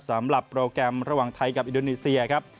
สำหรับโปรแกรมระหว่างไทยกับอินโดนีเซียครับ